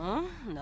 何？